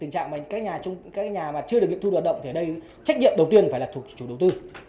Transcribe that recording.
các nhà mà chưa được nghiệm thu hoạt động thì ở đây trách nhiệm đầu tiên phải là chủ đầu tư